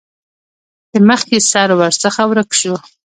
د مخکې سر ورڅخه ورک شو.